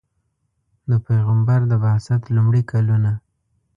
د پیغمبر د بعثت لومړي کلونه.